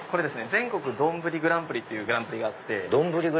全国丼グランプリっていうグランプリがあって。